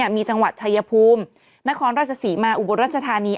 มีจังหวัดชายภูมินครราชศรีมาอุบลรัชธานี